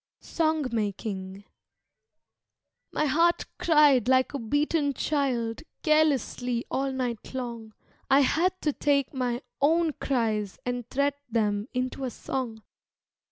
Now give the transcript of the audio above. Song Making My heart cried like a beaten child Ceaselessly all night long; I had to take my own cries And thread them into a song.